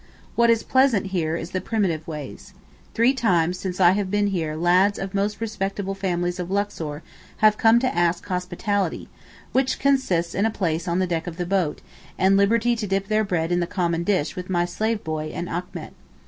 What is pleasant here is the primitive ways. Three times since I have been here lads of most respectable families of Luxor have come to ask hospitality, which consists in a place on the deck of the boat, and liberty to dip their bread in the common dish with my slave boy and Achmet.